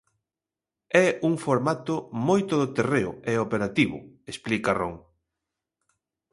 É un formato moi todoterreo e operativo, explica Ron.